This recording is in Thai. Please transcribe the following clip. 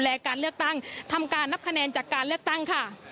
และการเลือกตั้งทำการนับคะแนนจากการเลือกตั้งค่ะ